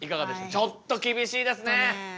ちょっと厳しいですね。